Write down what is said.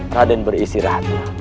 raden berisi rahatlah